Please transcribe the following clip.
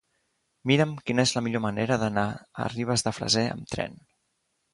Mira'm quina és la millor manera d'anar a Ribes de Freser amb tren.